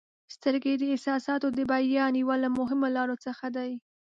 • سترګې د احساساتو د بیان یوه له مهمو لارو څخه دي.